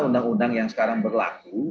undang undang yang sekarang berlaku